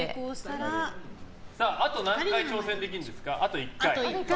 あと何回挑戦できるんですかあと１回。